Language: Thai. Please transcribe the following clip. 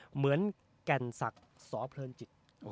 เหมือนแก่นนสักสเพลงจิต